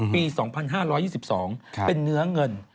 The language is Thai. ปี๒๕๒๒เป็นเนื้อเงิน